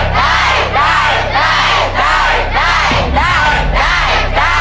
ได้ได้ได้